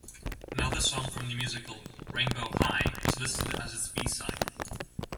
Another song from the musical, "Rainbow High", was listed as its B-side.